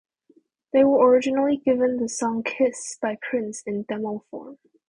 They were originally given the song "Kiss" by Prince in demo form.